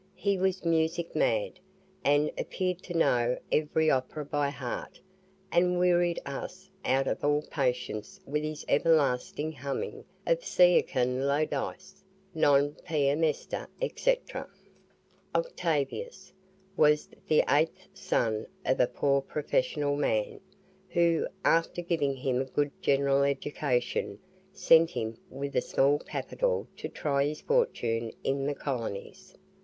He was music mad, and appeared to know every opera by heart, and wearied us out of all patience with his everlasting humming of "Ciascun lo dice" "Non piu mesta," &c. Octavius was the eighth son of a poor professional man, who, after giving him a good general education, sent him with a small capital to try his fortune in the colonies.